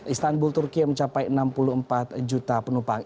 istanbul turki yang mencapai enam puluh empat juta penumpang